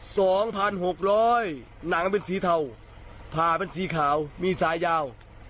สองพันหกร้อยหนังเป็นสีเทาผ่าเป็นสีขาวมีสายยาว